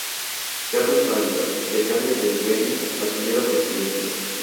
Carlos Navia, de Cambio del Beni, asumió la presidencia.